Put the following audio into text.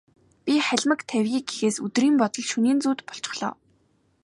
Би халимаг тавья гэхээс өдрийн бодол, шөнийн зүүд болчихлоо.